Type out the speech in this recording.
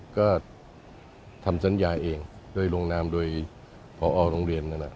ก็ทำสัญญาเองโดยลงนามโดยพอโรงเรียนนั้น